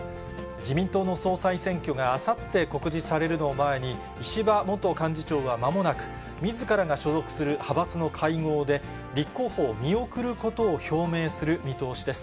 自民党の総裁選挙があさって告示されるのを前に、石破元幹事長はまもなく、みずからが所属する派閥の会合で、立候補を見送ることを表明する見通しです。